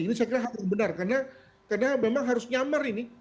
ini saya kira hal yang benar karena memang harus nyamar ini